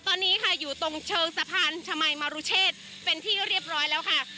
ตอนนี้ค่ะอยู่ตรงเชิงสะพานชมัยมรุเชษเป็นที่เรียบร้อยแล้วค่ะ